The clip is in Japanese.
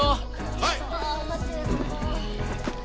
はい！